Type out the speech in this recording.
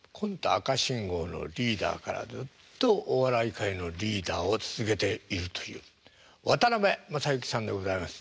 赤信号のリーダーからずっとお笑い界のリーダーを続けているという渡辺正行さんでございます。